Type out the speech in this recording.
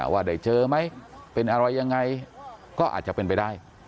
ว่าได้เจอไหมเป็นอะไรยังไงก็อาจจะเป็นไปได้